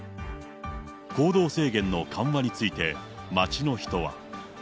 行動制限の緩和について街の人は。